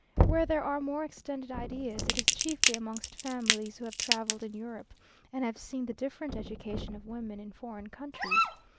Where there are more extended ideas, it is chiefly amongst families who have travelled in Europe, and have seen the different education of women in foreign countries.